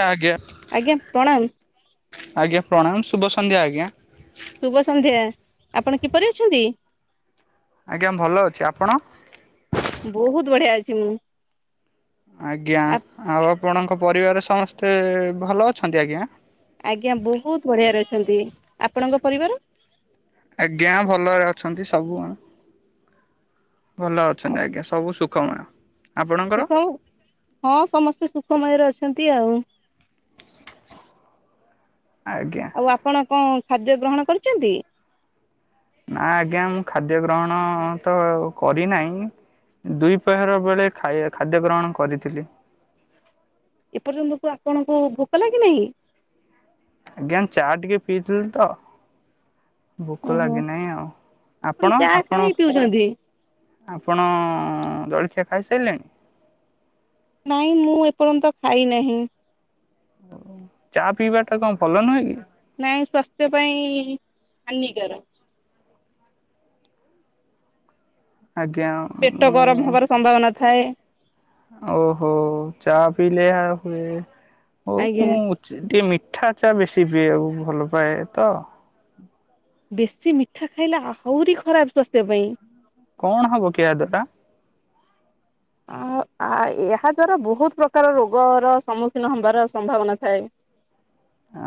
ଆଜ୍ଞା ଆଜ୍ଞା ପ୍ରଣାମ ଆଜ୍ଞା ଆଜ୍ଞା ପ୍ରଣାମ ଶୁଭ ସନ୍ଧ୍ୟା ଆଜ୍ଞା। ଶୁଭ ସନ୍ଧ୍ୟା ଆପଣ କିପରି ଅଛନ୍ତି? ଆଜ୍ଞା ଭଲ ଅଛି ଆପଣ? ବହୁତ୍ ବଢ଼ିଆ ଅଛି ମୁଁ। ଆଜ୍ଞା ଆଉ ଆପଣଙ୍କ ପରିବାର ସମସ୍ତେ ଭଲ ଅଛନ୍ତି ଆଜ୍ଞା? ଆଜ୍ଞା ବହୁତ୍ ବଢ଼ିଆରେ ଅଛନ୍ତି ଆପଣଙ୍କ ପରିବାର? ଆଜ୍ଞା ଭଲରେ ଅଛନ୍ତି ସବୁ ଗଣ ଭଲ ଅଛନ୍ତି ଆଜ୍ଞା ସବୁ ସୁଖମୟ। ଆପଣଙ୍କର ସୁଖ ହଁ ସମସ୍ତେ ସୁଖମୟରେ ଅଛନ୍ତି ଆଉ। ଆଜ୍ଞା। ଆଉ ଆପଣ କଣ ଖାଦ୍ୟ ଗ୍ରହଣ କରିଚନ୍ତି? ନା ଆଜ୍ଞା ମୁଁ ଖାଦ୍ୟ ଗ୍ରହଣତ କରିନାଇଁ ଦୁଇ ପ୍ରହର ବେଳେ ଖା ଖାଦ୍ୟ ଗ୍ରହଣ କରିଥିଲି। ଏପର୍ଯ୍ୟନ୍ତ କଁ ଆପଣଙ୍କୁ ଭୋକ ଲାଗିନାହିଁ? ଆଜ୍ଞା ଚା ଟିକେ ପିଇଥିଲିତ। ଭୋକ ଓହୋ ଲାଗେନାହିଁ ଆଉ ଆପଣ ଚା ଆପଣ କାହିଁ ପିଉଛନ୍ତି? ଆପଣ ଜଳଖିଆ ଖାଇସାରିଲେଣି? ନାଇଁ ମୁଁ ଏପର୍ଯ୍ୟନ୍ତ ଖାଇ ନାହିଁ। ଚା ପିଇବାଟା କଣ ଭଲ ନୁହେଁ କି? ନାଇଁ ସ୍ଵାସ୍ଥ୍ୟ ପାଇଁ ହାନିକାର। ଆଜ୍ଞା। ପେଟ ଗରମ ମୁଁ ହବାର ସମ୍ଭାବନା ଥାଏ। ଓହୋ ଚା ପିଇଲେ ଏହା ହୁଏ ଓ ଆଜ୍ଞା ମୁଁ ଟିକେ ମିଠା ଚା ବେଶୀ ପିଇବାକୁ ଭଲ ପାଏ ତ ବେଶୀ ମିଠା ଖାଇଲା ଆହୁରି ଖରାପ ସ୍ୱାସ୍ଥ୍ୟ ପାଇଁ। କଣ ହବ କି ଏହା ଦ୍ୱାରା। ଅ ଆ ଏହା ଦ୍ଵାରା ବହୁତ ପ୍ରକାର ରୋଗର ସମ୍ମୁଖୀନ ହବାର ସମ୍ଭାବନା ଥାଏ।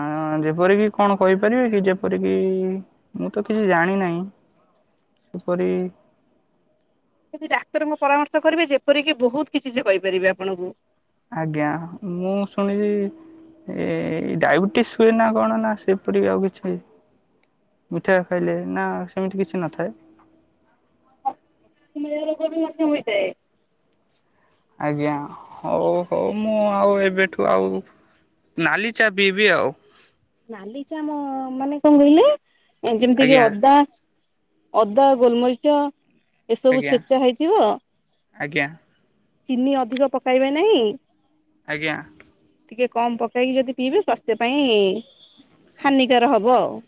ଆଁ ଯେପରିକି କଣ କହିପାରିବେ କି ଯେପରିକି ମୁଁ ତ କିଛି ଜାଣି ନାହିଁ କିପରି ଯଦି ଡାକ୍ତରଙ୍କ ପରାମର୍ଶ କରିବେ ଯେପରିକି ବହୁତ କିଛି ସେ କହିପାରିବେ ଆପଣଙ୍କୁ। ଆଜ୍ଞା ମୁଁ ଶୁଣିଚି ଏ ଡାଇବେଟିସ୍ ହୁଏ ନା କଣ ନା ସେପରିକି ଆଉ କିଛି ମିଠା ଖାଇଲେ ନା ସେମିତି କିଛି ନଥାଏ। [unintelligible] ରୋଗ ବି ମଧ୍ୟ ହୋଇଥାଏ। ଆଜ୍ଞା ହଉ ହଉ ମୁଁ ଆଉ ଏବେଠୁ ଆଉ ନାଲି ଚା ପିଇବି ଆଉ। ନାଲି ଚା ମ ମାନେ କଣ କହିଲେ ଅ ଯେମିତି କି ଆଜ୍ଞା ଅଦା ଅଦା ଗୋଲମରିଚ ଏସବୁ ଆଜ୍ଞା ଛେଚା ହେଇଥିବ ଆଜ୍ଞା ଚିନି ଅଧିକ ପକାଇବେ ନାହିଁ। ଆଜ୍ଞା। ଟିକେ କମ ପକାଇକି ଯଦି ପିଇବେେ ସ୍ବାସ୍ଥ୍ୟ ପାଇଁ ହାନିକାର ହବ ଆଉ।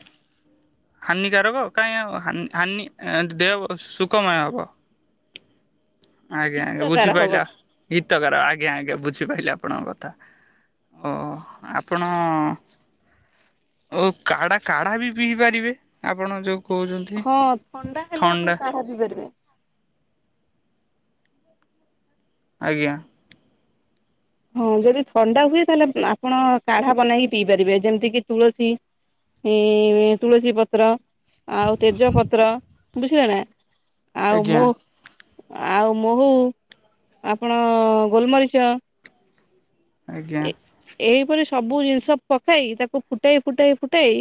ହାନିକାରକ କାହିଁ ଆଉ ହାନି ଏଁ ଦେହ ବ ସୁଖମୟ ହବ। ଆଜ୍ଞା ଆଜ୍ଞା ହିତକାର ହବ ବୁଝିପାଇଲ ହିତକାର ଆଜ୍ଞା ଆଜ୍ଞା ବୁଝିପାଇଲି ଆପଣଙ୍କ କଥା। ହୋ ଆପଣ ଓ କାଢା କାଢ଼ା ବି ପିଇ ପାରିବେ ଆପଣ ଯୋଉ କହୁଛନ୍ତି ଖ ଥଣ୍ଡା ହେଲେ ଥଣ୍ଡା ଆପଣ କାଢ଼ା ପି ପାରିବେ। ଆଜ୍ଞା। ହଁ ଯଦି ଥଣ୍ଡା ହୁଏ ତାହେଲେ ଆପ ଆପଣ କାଢା ବନେଇକି ପିଇ ପାରିବେ ଯେମିତି କି ତୁଳସୀ ଏ ତୁଳସୀ ପତ୍ର ଆଉ ତେଜ ପତ୍ର ବୁଝିଲେ ନା। ଆଉ ମୋ ଆଜ୍ଞା ଆଉ ମୋହୁ ଆପଣ ଗୋଲମରିଚ ଆଜ୍ଞା ଏ ଏଇ ପରି ସବୁ ଜିନିଷ ପକେଇ ତାକୁ ଫୁଟେଇ ଫୁଟେଇ ଫୁଟେଇ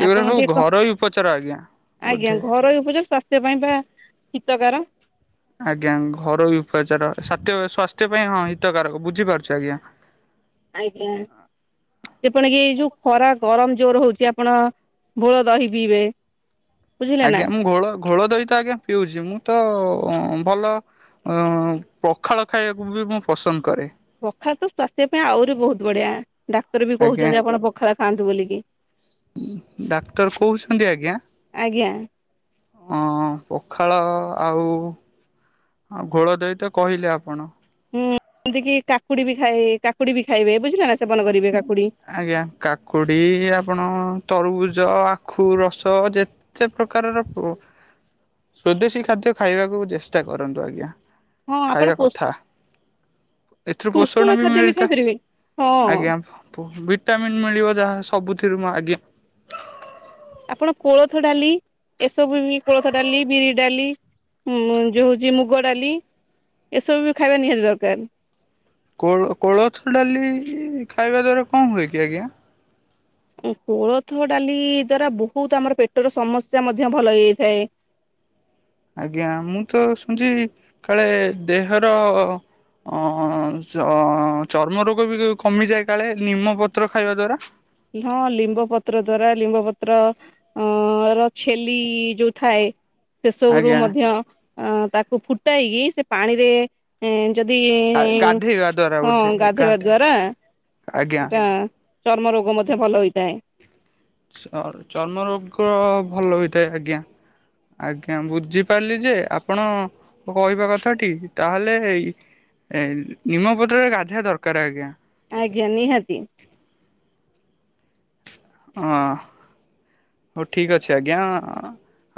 ଏଗୁରା ଆପଣ ସବୁ ଟିକେ କ ଘରୋଇ ଉପଚାର ଆଜ୍ଞା। ଆଜ୍ଞା ବୋଧେ ଘରୋଇ ଉପଚାର ଶ୍ୱା ସେ ପାଇଁ ବା ହିତକାର। ଆଜ୍ଞା ଘରୋଇ ଉପଚାର ସାତ୍ୟ ସ୍ଵାସ୍ଥ୍ୟ ପାଇଁ ହଁ ହିତକାରକ ବୁଝିପାରୁଚି ଆଜ୍ଞା। ଆଜ୍ଞା। ଯେପରିକି ଏଇ ଯୋଉ ଖରା ଗରମ ଜୋର ହୋଉଛି ଆପଣ ଘୋଳ ଦହି ପିଇବେ। ବୁଝିଲେ ନା ଆଜ୍ଞା ମୁଁ ଘୋଳ ଘୋଳ ଦହି ତ ଆଜ୍ଞା ପିଉଛି ମୁଁ ତ ଅଁ ଭଲ ଅଁ ପଖାଳ ଖାଇବାକୁ ବି ମୁଁ ପସନ୍ଦ କରେ। ପଖାଳ ତ ସ୍ଵାସ୍ଥ୍ୟ ପାଇଁ ଆହୁରି ବହୁତ ବଢିଆ ଡାକ୍ତର ବି ଆଜ୍ଞା। କହୁଛନ୍ତି ଆପଣ ପଖାଳ ଖାଆନ୍ତୁ ବୋଲିକି। ଡାକ୍ତର କୋଉଛନ୍ତି ଆଜ୍ଞା? ଆଜ୍ଞା ଅଁ ପଖାଳ ଆଉ ଆଉ ଘୋଳ ଦଇ ତ କହିଲେ ଆପଣ। ହୁଁ ଯେମିତି କି କାକୁଡି ବି ଖାଇ କାକୁଡି ବି ଖାଇବେ ବୁଝିଲ ନା ସେବନ କରିବେ କାକୁଡି ଆଜ୍ଞା। କାକୁଡ଼ି ଆପଣ ତରବୁଜ ଆଖୁ ରସ ଯେ ଚେ ପ୍ରକାରର ଓ ସ୍ଵଦେଶୀ ଖାଦ୍ୟ ଖାଇବାକୁ ଚେଷ୍ଟା କରନ୍ତୁ ଆଜ୍ଞା। ହଁ ଆପଣ ଖାଇବା ପୋଷ କଥା ଏଥିରୁ ପୋଷଣ ବି ଖାଦ୍ୟ ମିଳିଥା ଖାଇପାରିବେ ହଁ ଆଜ୍ଞା ପ ଭିଟାମିନ୍ ମିଳିବ ଯାହା ସବୁଥିରୁ ମ ଆଜ୍ଞା। ଆପଣ କୋଳଥ ଡାଲି ଏସବୁ ବି କୋଳଥ ଡାଲି, ବିରି ଡାଲି। ହୁଁ ଯୋଉ ହଉଛି ମୁଗ ଡାଲି ଏସବୁ ବି ଖାଇବା ନିହାତି ଦରକାର। କୋଳ କୋଳଥ ଡାଲି ଖାଇବା ଦ୍ଵାରା କଣ ହୁଏ କି ଆଜ୍ଞା? ଉଁ କୋଳଥ ଡାଲି ଦ୍ଵାରା ବହୁତ ଆମର ପେଟର ସମସ୍ୟା ମଧ୍ୟ ଭଲ ହେଇଥାଏ। ଆଜ୍ଞା ମୁଁ ତ ଶୁଣିଛି କାଳେ ଦେହର। ଅଁ ଚ ଅଁ ଚର୍ମ ରୋଗ ବି କମିଯାଏ କାଳେ ନିମ ପତ୍ର ଖାଇବା ଦ୍ଵାରା। ହଁ ଲିମ୍ବ ପତ୍ର ଦ୍ଵାରା ଲିମ୍ବ ପତ୍ର। ଅ ର ଛେଲି ଯୋଉ ଥାଏ। ସେସବୁରୁୁ ଆଜ୍ଞା ମଧ୍ୟ ଅ ତାକୁ ଫୁଟାଇକି ସେ ପାଣିରେ। ଏଁ ଯଦି ଗାଧେଇବା ଦ୍ଵାରା ହଁ ବୋଧେ ଗାଧେଇବା ଗାଧେ ଦ୍ଵାରା। ଆଜ୍ଞା। ସେଟା ଚର୍ମ ରୋଗ ମଧ୍ୟ ଭଲ ହୋଇଥାଏ। [unintelligible] ଚର୍ମ ରୋଗ ଭଲ ହୋଇଥାଏ ଆଜ୍ଞା। ଆଜ୍ଞା ବୁଝିପାରିଲି ଯେ ଆପଣ। ମୋ କହିବା କଥାଟି ତାହେଲେ ଏଇ ଏ ନିମପତ୍ରରେ ଗାଧେଇବା ଦରକାର ଆଜ୍ଞା। ଆଜ୍ଞା ନିହାତି। ଅଁ। ହଉ ଠିକ୍ ଅଛି ଆଜ୍ଞା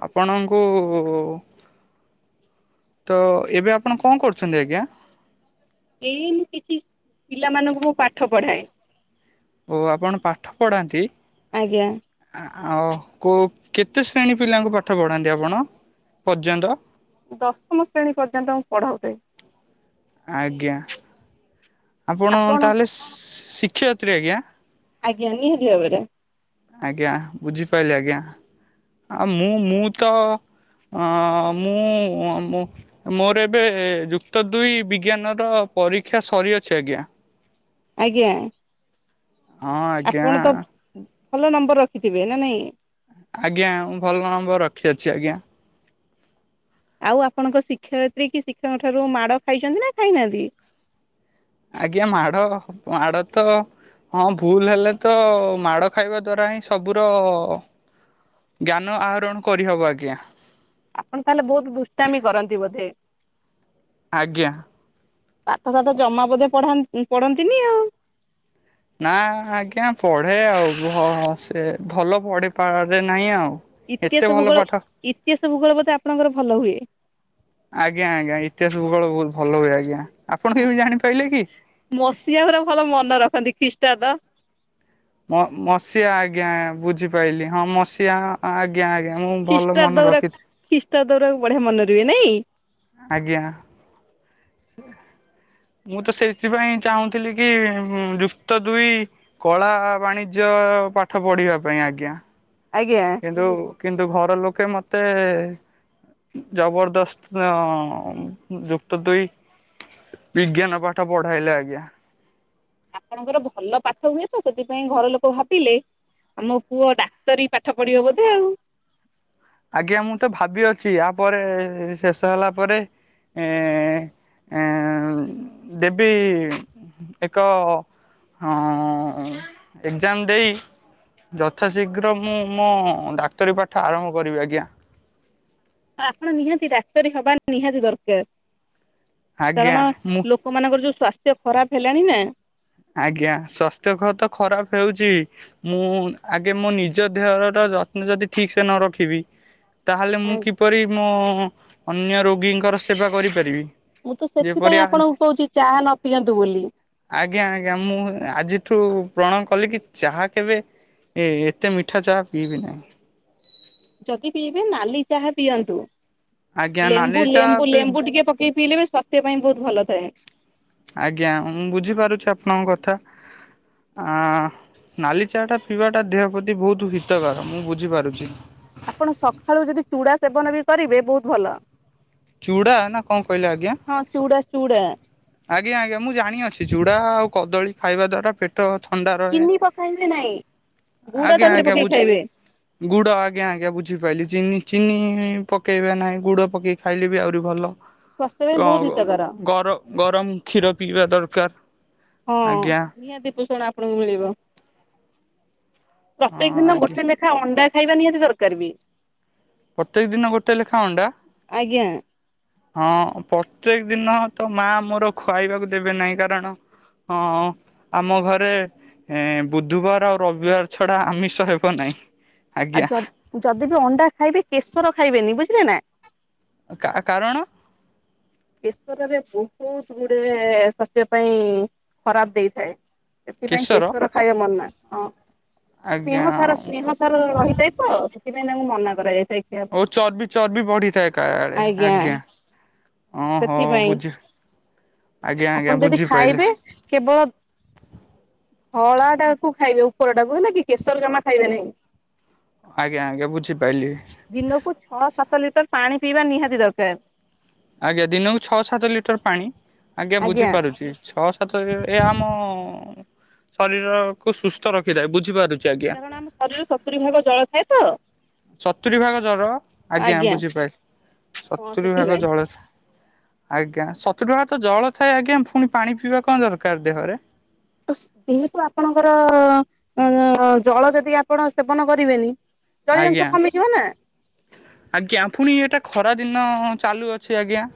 ଆପଣଙ୍କୁ। ତ ଏବେ ଆପଣ କଣ କରୁଛନ୍ତି ଆଜ୍ଞା? ଏଇ ମୁଁ କିଛି ପିଲାମାନଙ୍କୁ ମୁଁ ପାଠ ପଢାଏ। ଓ ଆପଣ ପାଠ ପଢ଼ାନ୍ତି। ଆଜ୍ଞା। ଆଁ ଆଉ କଉ କେତେ ଶ୍ରେଣୀ ପିଲାଙ୍କୁ ପାଠ ପଢ଼ାନ୍ତି ଆପଣ ପର୍ଯ୍ୟନ୍ତ? ଦଶମ ଶ୍ରେଣୀ ପର୍ଯ୍ୟନ୍ତ ମୁଁ ପଢଉଛି। ଆଜ୍ଞା। ଆପଣ ତାହେଲେ ସି ଶିକ୍ଷୟତ୍ରୀ ଆଜ୍ଞା? ଆଜ୍ଞା ନିହାତି ଭାବରେ। ଆଜ୍ଞା ବୁଝିପାରିଲି ଆଜ୍ଞା ଆଉ ମୁଁ ମୁଁ ତ। ଅଁ ମୁଁ ଅଁ ମୁଁ। ମୋର ଏବେ ଯୁକ୍ତ ଦୁଇ ବିଜ୍ଞାନ ର ପରୀକ୍ଷା ସରିଅଛି ଆଜ୍ଞା। [inaudible] ଆଜ୍ଞା। ହଁ ଆଜ୍ଞା। ଆପଣ ତ ଭଲ ନମ୍ବର ରଖିଥିବେ ନା ନାଇଁ? ଆଜ୍ଞା ମୁଁ ଭଲ ନମ୍ବର ରଖିଅଛି ଆଜ୍ଞା। ଆଉ ଆପଣଙ୍କ ଶିକ୍ଷୟତ୍ରୀ କି ଶିକ୍ଷକଙ୍କ ଠାରୁ ମାଡ ଖାଇଛନ୍ତି ନା ଖାଇନାହାନ୍ତି? ଆଜ୍ଞା ମାଡ ଅ ମାଡ ତ। ହଁ ଭୁଲ ହେଲେ ତ ମାଡ଼ ଖାଇବା ଦ୍ଵାରା ହିଁ ସବୁର। ଜ୍ଞାନ ଆହରଣ କରିହବ ଆଜ୍ଞା। ଆପଣ ତାହେଲେ ବହୁତ ଦୁଷ୍ଟାମି କରନ୍ତି ବୋଧେ? ଆଜ୍ଞା। ପାଠ ସାଠ ଜମା ବୋଧେ ପଢା ଇଁ ପଢନ୍ତିନି ଆଉ। ନା ଆଜ୍ଞା ପଢେ ଆଉ ଭ ସେ ଭଲ ପଢିପାରେ ନାହିଁ ଆଉ। ଏତେ ଇତିହାସ ଭଲ ଭୂଗୋଳ ପାଠ ଇତିହାସ ଭୂଗୋଳ ବୋଧେ ଆପଣଙ୍କର ଭଲ ହୁଏ? ଆଜ୍ଞା ଆଜ୍ଞା ଇତିହାସ ଭୂଗୋଳ ବହୁତ ଭଲ ହୁଏ ଆଜ୍ଞା ଆପଣ କେମିତି ଜାଣିପାଇଲେ କି? ମସିହା ହୁରା ଭଲ ମନେ ରଖନ୍ତି ଖ୍ରୀଷ୍ଟାବ୍ଦ। ମ-ମସିହା ଆଜ୍ଞା ବୁଝିପାଇଲି ହଁ ମସିହା ଆ ଆ ଆଜ୍ଞା ଆଜ୍ଞା ମୁଁ ଭଲ ମନେ ଖ୍ରୀଷ୍ଟାବ୍ଦ ଗୁରା ରଖି ଖ୍ରୀଷ୍ଟାବ୍ଦ ଗୁରାକ ବଢିଆ ମନେ ରୁହେ ନାଇଁ। ଆଜ୍ଞା। ମୁଁ ତ ସେଇଥିପାଇଁ ଚାହୁଁଥିଲି କି ଉଁ ଯୁକ୍ତ ଦୁଇ କଳା ବାଣିଜ୍ୟ ପାଠ ପଢିବା ପାଇଁ ଆଜ୍ଞା। ଆଜ୍ଞା। କିନ୍ତୁ କିନ୍ତୁ ଘର ଲୋକେ ମତେ ଜବରଦସ୍ତ ଅଁ ଯୁକ୍ତ ଦୁଇ ବିଜ୍ଞାନ ପାଠ ପଢାଇଲେ ଆଜ୍ଞା। ଆପଣଙ୍କର ଭଲ ପାଠ ହୁଏ ତ ସେଥିପାଇଁ ଘର ଲୋକ ଭାବିଲେ ଆମ ପୁଅ ଡାକ୍ତରୀ ପାଠ ପଢିବ ବୋଧେ ଆଉ। ଆଜ୍ଞା ମୁଁ ତ ଭାବି ଅଛି ଆ ପରେ ଶେଷ ହେଲା ପରେ ଏଁ ଏଁ ଦେବି। ଏକ ଅଁ ଏକଜାମ୍ ଦେଇ ଯଥା ଶୀଘ୍ର ମୁଁ ମୋ ଡାକ୍ତରୀ ପାଠ ଆରମ୍ଭ କରିବି ଆଜ୍ଞା। ଆପଣ ନିହାତି ଡାକ୍ତରୀ ହବା ନିହାତି ଦରକାର ଆଜ୍ଞା କାରଣ ମୁଁ ଲୋ କ ମାନଙ୍କର ଯୋଉ ସ୍ୱାସ୍ଥ୍ୟ ଖରାପ ହେଲାଣି ନା। ଆଜ୍ଞା ସ୍ୱାସ୍ଥ୍ୟ ଖ ତ ଖରାପ ହେଉଚି। ମୁଁ ଆଗେ ମୋ ନିଜ ଦେହର ଯତ୍ନ ଯଦି ଠିକ୍ ସେ ନ ରଖିବି। ତାହେଲେ ମୁଁ କିପରି ମୋ ଅନ୍ୟ ରୋଗୀଙ୍କର ସେବା କରିପାରିବି। ମୁଁ ତ ଯେପରି ସେଥିପାଇଁ ଆ ଆପଣଙ୍କୁ କହୁଚି ଚାହା ନ ପିଅନ୍ତୁ ବୋଲି। ଜ୍ଞା ଆଜ୍ଞା ମୁଁ ଆଜିଠୁ ପଣ କଲି କି ଚାହା କେବେ ଏ ଏତେ ମିଠା ଚାହା ପିଇବି ନାହିଁ। ଯଦି ପିଇବେ ନାଲି ଚାହା ପିଅନ୍ତୁ। ଆଜ୍ଞା ନାଲି ଲେମ୍ବୁ ଚାହା ଲେମ୍ବୁ ପିଇବି ଲେମ୍ବୁ ଟିକିଏ ପକେଇ ପିଇଲେ ବି ସ୍ଵାସ୍ଥ୍ୟ ପାଇଁ ବହୁତ ଭଲ ଥାଏ। ଆଜ୍ଞା ମୁଁ ବୁଝିପାରୁଛି ଆପଣଙ୍କ କଥା ଆଁ। ନାଲି ଚାହାଟା ପିଇବାଟା ଦେହ ପ୍ରତି ବହୁତ ହିତକର ମୁଁ ବୁଝିପାରୁଚି। ଆପଣ ସଖାଳୁ ଯଦି ଚୁଡା ସେବନ ବି କରିବେ ବହୁତ ଭଲ। ଚୁଡା ନା କଣ କହିଲେ ଆଜ୍ଞା। ହଁ ଚୁଡା ଚୁଡା। ଆଜ୍ଞା ଆଜ୍ଞା ମୁଁ ଜାଣିଅଛି ଚୁଡ଼ା ଆଉ କଦଳୀ ଖାଇବା ଦ୍ଵାରା ପେ ଟ ଥଣ୍ଡା ରହେ ଚିନି ଗୁଡ ତା ଆଜ୍ଞା ଦେହରେ ଆଜ୍ଞା ପକେଇ ବୁଝ୍ ଖାଇବେ। ଗୁଡ ଆଜ୍ଞା ଆଜ୍ଞା ବୁଝିପାଇଲିି ଚିନି ଚିନି ପକେଇବା ନାହିଁ ଗୁଡ ପକେଇ ଖାଇଲେ ବି ଆହୁରି ଭଲ। ସ୍ୱାସ୍ଥ୍ୟ ପାଇଁ ବହୁତ ଅଁ ହିତକର। ଗର-ଗରମ କ୍ଷୀର ପିଇବା ଦରକାର। ହଁ ଆଜ୍ଞା। ନିହାତି ପୋଷଣ ଆପଣଙ୍କୁ ମିଳିବ। ହଁ ପ୍ରତ୍ୟେକ ଦିନ ଆଜ୍ଞା ଗୋଟେ ନେଖା ଅଣ୍ଡା ଖାଇବା ନିହାତି ଦରକାର ବି। ପ୍ରତ୍ୟେକ ଦିନ ଗୋଟେ ଲେଖା ଅଣ୍ଡା? ଆଜ୍ଞା। ହଁ ପ୍ରତ୍ୟେକ ଦିନ ତ ମା ମୋର ଖାଇବାକୁ ଦେବେ ନାହିଁ କାରଣ ହଁ ଆମ ଘରେ ଏଁ ବୁଧବାର ଆଉ ରବିବାର ଛଡା ଆମିଷ ହେବ ନାଇଁ। ଆଉ ଯ ଯଦି ବି ଅଣ୍ଡା ଖାଇବେ କେଶର ଖାଇବେନି ବୁଝିଲେ ନା? କା କାରଣ? କେଶରରେ ବହୁତ ଗୁଡେ ସ୍ୱାସ୍ଥ୍ୟ ପାଇଁ ଖରାପ ଦେଇଥାଏ। ସେଥିପାଇଁ କେଶର ଖାଇବା ମନା ଅ ସ୍ନେହ ଆଜ୍ଞା ସାର ସ୍ନେହ ସା ତାର ରହିଥାଏ ତ ସେଥିପାଇଁ ତାଙ୍କୁ ମନା କରାଯାଇଥାଏ। ଖିଆ ପାଇଁ। ଓ ଚର୍ବ ଚର୍ବି ବଢିଥାଏ କାଳେ ଆଜ୍ଞା। ଓଁ ହୋ ସେଥିପାଇଁ ବୁଝି ଆଜ୍ଞା ଆପଣ ଆଜ୍ଞା ଯଦି ବୁଝିପାଇଲି। ଖାଇବେ କେବଳ ଧଳା ଟା କୁ ଖାଇବେ ଉପରଟାକୁ ହେଲା କି କେଶର ଜମା ଖାଇବେ ନାହିଁ। ଆଜ୍ଞା ଆଜ୍ଞା ବୁଝିପାଇଲି। ଦିନକୁ ଛଅ ସାତ ଲିଟର ପାଣି ପିଇବା ନିହାତି ଦରକାର। ଆଜ୍ଞା ଦିନକୁ ଛଅ ସାତ ଲିଟର ପାଣି ଆଜ୍ଞା ବୁଝିପାରୁଛି ଛଅ ସାତ ଏ ଆମ ଶରୀରକୁୁ ସୁସ୍ଥ ରଖିଥାଏ। ବୁଝିପାରୁ କାରଣ ଆମ ଶରୀରରେ ସତୁରି ଭାଗ ଜଳ ଥାଏ ତ। ସତୁରି ଭାଗ ଜର ଆଜ୍ଞା ବୁଝିପାଇଲି ହଁ ସତୁରି ଭାଗ ସେଥିପାଇଁ। ଜଳ ଥା ଆଜ୍ଞା ସତୁରି ଭାଗତ ଜଳ ଥାଏ ଆଜ୍ଞା ପୁଣି ପାଣି ପିଇବା କଣ ଦରକାର ଦେହରେ? ତ ଯେହେତୁ ଆପଣଙ୍କର ଅ ଜଳ ଯଦି ଆପଣ ସେବନ କରିବେନି ଜଳୀୟ ଅଂଶ ଆଜ୍ଞା। କମିଯିବ ନା ଆଜ୍ଞା ଫୁଣି ଏଟା ଖରା ଦିନ ଚାଲୁଅଛି ଆଜ୍ଞା।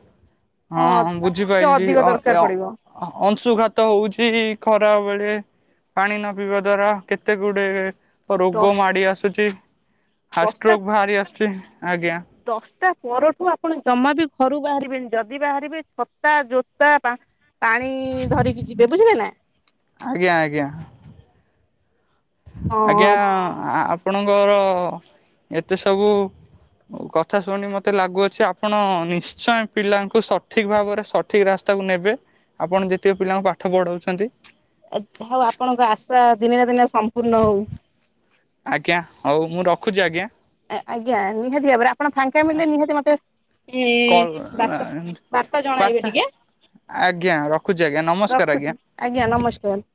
ହଁ ହଁ ତାଠୁ ଟିକେ ବୁଝିପାଇଲି ଅଧିକ ଦରକାର ଅ ଅଁ। ପଡିବ ଅଂ ଅଂଶୁଘାତ ହଉଛି ଖରା ବେଳେ। ପାଣି ନ ପିଇବା ଦ୍ଵାରା କେତେ ଗୁଡେ ରୋଗ ଦଶ ମାଡି ଆସୁଛି। ଦଶଟା ହାର୍ଷ୍ଟ୍ରୋକ୍ ଭାହାରି ଆସୁଛି ଆଜ୍ଞା। ଦଶଟା ପରଠୁ ଆପଣ ଜମା ବି ଘରୁ ବାହାରିବେନି ଯଦି ବାହାରିବେ ଛତା ଜୋତା ବା ପାଣି ଧରିକି ଯିବେ ବୁଝିଲେ ନା? ଆଜ୍ଞା ଆଜ୍ଞା। ଆଜ୍ଞା ହଁ ଆ ଆପଣଙ୍କର ଏତେ ସବୁ କଥା ଶୁଣି ମତେ ଲାଗୁଅଛି ଆପଣ ନିଶ୍ଚୟ ପିଲାଙ୍କୁ ସଠିକ ଭାବରେ ସ ଠିକ ରାସ୍ତାକୁ ନେବେ ଆପଣ ଯେତିକ ପିଲାଙ୍କୁ ପାଠ ପଢଉଛନ୍ତି। ଏ ଆପଣଙ୍କ ଆଶା ଦିନେ ନା ଦିନେ ସମ୍ପୂର୍ଣ୍ଣ ହଉ। ଆଜ୍ଞା ହଉ ମୁଁ ରଖୁଛି ଆଜ୍ଞା। ଆଜ୍ଞା ନିହାତି ଭାବରେ ଆପଣ ଫାଙ୍କା ମିଳିଲେ ନିହାତି ମତେ ଏ କଲ୍ ବାତା ବାର୍ତ୍ତା ଜଣାଇବେ ଟିକେ ଆ ରଖୁଛି ଆଜ୍ଞା ନମସ୍କାର ରଖୁଛି ଆଜ୍ଞା। ଆଜ୍ଞା ନମସ୍କାର।